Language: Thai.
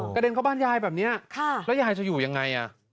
เด็นเข้าบ้านยายแบบนี้แล้วยายจะอยู่ยังไง